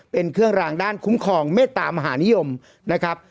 เป็นเครื่องรางด้านคุ้มครองเมตตามหานิยมนะครับ